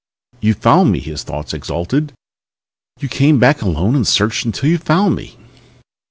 "You found me!" his thoughts exulted. "You came back alone and searched until you found me!"